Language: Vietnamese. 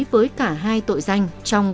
với cả hai tội danh trong cáo truy tố của năng